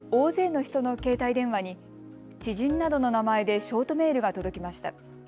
先月、つながりのない大勢の人の携帯電話に知人などの名前でショートメールが届きました。